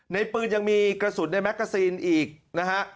ปืนยังมีกระสุนในแกซีนอีกนะฮะ